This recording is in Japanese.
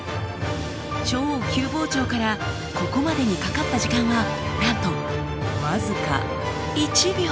超急膨張からここまでにかかった時間はなんと僅か１秒！